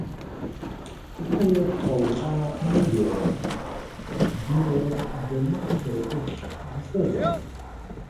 پکه یې په وراه نه بیوه، دې ویل د مخ پر اوښ زه ځم